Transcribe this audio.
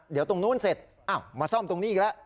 เดี๋ยวตรงนู้นเสร็จมาซ่อมตรงนี้อีกแล้ว